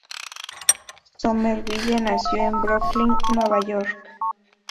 Somerville nació en Brooklyn, Nueva York.